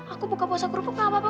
aku buka puasa kerupuk gak apa apa